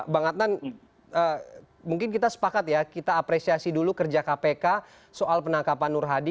bang adnan mungkin kita sepakat ya kita apresiasi dulu kerja kpk soal penangkapan nur hadi